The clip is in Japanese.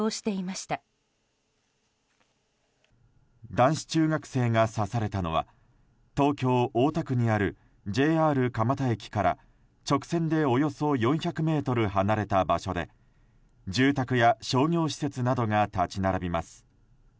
男子中学生が刺されたのは東京・大田区にあるＪＲ蒲田駅から直線でおよそ４００ｍ離れた場所で住宅や商業施設などが立ち並びます。